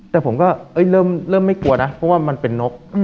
แต่ผมก็เริ่มไม่กลัวนะเพราะว่ามันเป็นนก